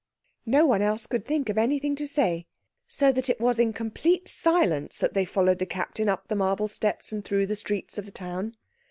No one else could think of anything to say, so that it was in complete silence that they followed the Captain up the marble steps and through the streets of the town.